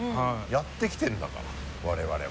やってきてるんだから我々は。